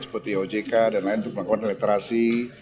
seperti ojk dan lain untuk melakukan literasi